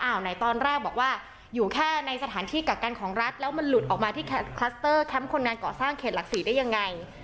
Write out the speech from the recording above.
ไหนตอนแรกบอกว่าอยู่แค่ในสถานที่กักกันของรัฐแล้วมันหลุดออกมาที่คลัสเตอร์แคมป์คนงานก่อสร้างเขตหลักศรีได้ยังไง